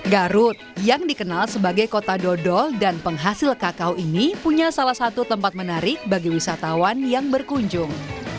garut yang dikenal sebagai kota dodol dan penghasil kakao ini punya salah satu tempat menarik bagi wisatawan yang berkunjung